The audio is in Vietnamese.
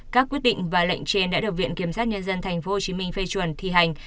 các quyết định và lệnh trên đã được viện kiểm sát nhân dân tp hcm phê chuẩn thi hành